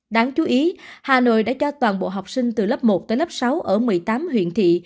đáng chú ý hà nội đã cho toàn bộ học sinh từ lớp một tới lớp sáu ở một mươi tám huyện thị